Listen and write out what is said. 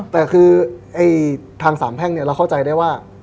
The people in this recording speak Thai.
แต่คือทางสามแพ่งเราเข้าใจได้ว่า